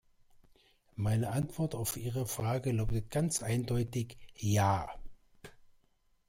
Meine Antwort auf Ihre Frage lautet ganz eindeutig "Ja".